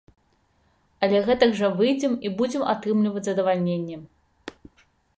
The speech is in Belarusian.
Але гэтак жа выйдзем і будзем атрымліваць задавальненне.